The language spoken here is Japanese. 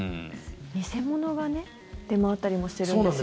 偽物が出回ったりもしてるんですよね。